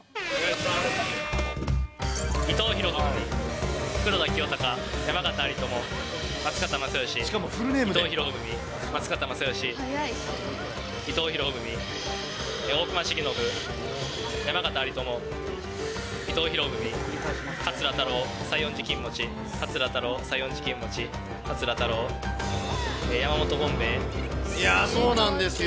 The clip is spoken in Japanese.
伊藤博文、黒田清隆、山縣有朋、松方正義、伊藤博文、松方正義、伊藤博文、大隈重信、山縣有朋、伊藤博文、桂太郎、西園寺公望、桂太郎、そうなんですよ。